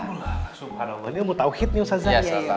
subhanallah ini mau tauhid nih ustazah